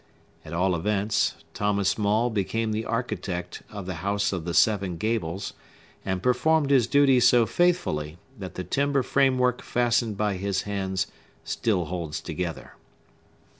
At all events, Thomas Maule became the architect of the House of the Seven Gables, and performed his duty so faithfully that the timber framework fastened by his hands still holds together.